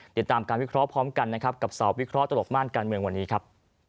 ติดตามการวิเคราะห์พร้อมกันนะครับกับสาววิเคราะห์ตลกม่านการเมืองวันนี้ครับ